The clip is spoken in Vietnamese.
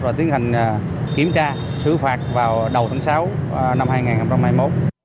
và tiến hành kiểm tra xử phạt vào đầu tháng sáu năm hai nghìn hai mươi một